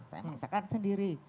saya masakan sendiri